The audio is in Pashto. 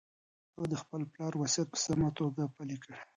هغه د خپل پلار وصیت په سمه توګه پلي کړ.